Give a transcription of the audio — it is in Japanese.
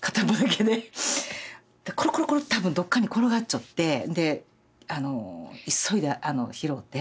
コロコロコロって多分どっかに転がっちょってであの急いで拾って。